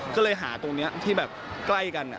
ก็เลยหาตรงนี้ที่แบบใกล้กัน